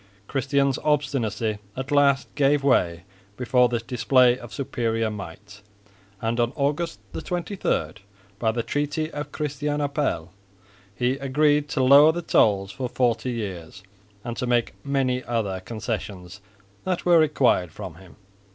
Christian's obstinacy at last gave way before this display of superior might, and on August 23, by the treaty of Christianopel he agreed to lower the tolls for forty years and to make many other concessions that were required from him.